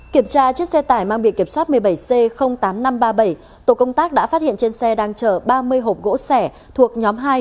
kiểm tra chiếc xe tải mang bị kiểm soát một mươi bảy c tám nghìn năm trăm ba mươi bảy tổ công tác đã phát hiện trên xe đang chở ba mươi hộp gỗ sẻ thuộc nhóm hai